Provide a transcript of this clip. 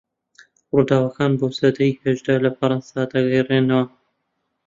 رووداوەکانی بۆ سەدەی هەژدە لە فەڕەنسا دەگەرێنەوە